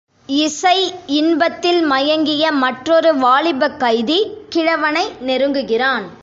இசை இன்பத்தில் மயங்கிய மற்றொரு வாலிபக் கைதி கிழவனை நெருங்குகிறான்.